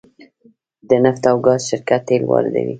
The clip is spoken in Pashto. د نفت او ګاز شرکت تیل واردوي